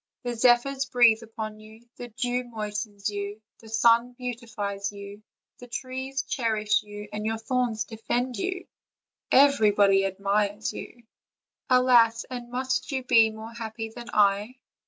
The zephyrs breathe upon you, the dew moistens you, the sun beauti fies you, the trees cherish you, your thorns defend you, and everybody admires you. Alas! and must you be more happy than I?"